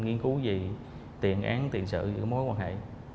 nghiên cứu về tiền án tiền sự mối quan hệ